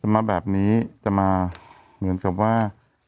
มาแบบนี้จะมาเหมือนกับว่า